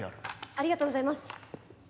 ありがとうございます。